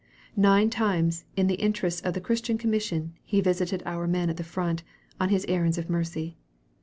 Nine times, in the interests of the Christian Commission, he visited our men at the front, on his errands of mercy.